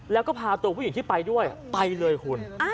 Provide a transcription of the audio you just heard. แล้วก็พาตัวผู้หญิงที่ไปด้วยไปเลยคุณ